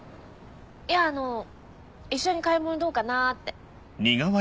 いやあの一緒に買い物どうかなって。